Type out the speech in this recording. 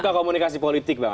membuka komunikasi politik